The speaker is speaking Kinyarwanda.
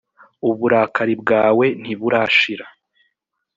uburakari bwawe ntiburashira .